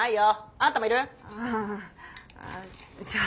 ああじゃあ。